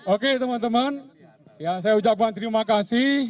oke teman teman saya ucapkan terima kasih